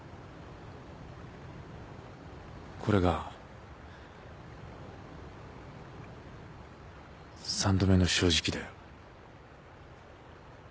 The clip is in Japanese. これが３度目の正直だよ。